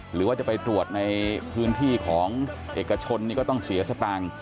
หรือว่าจะไปตรวจในพื้นที่ของเอกชนนี่ก็ต้องเสียสตางค์